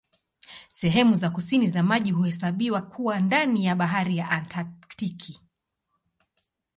Sehemu za kusini za maji huhesabiwa kuwa ndani ya Bahari ya Antaktiki.